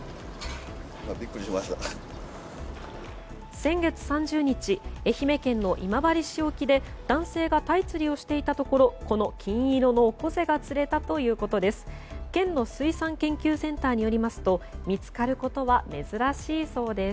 先月３０日愛媛県の今治市沖で男性がタイ釣りをしていたところこの金色のオコゼが釣れたということです。